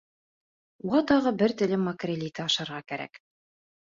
Уға тағы бер телем макрель ите ашарға кәрәк.